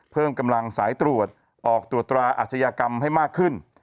เพิ่มกำลังสายตรวจออกตรวจตราอาชญากรรมให้มากขึ้น